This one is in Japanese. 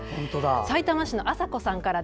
さいたま市のあさこさんから。